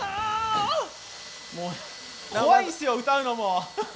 もう、怖いっすよ、歌うのも。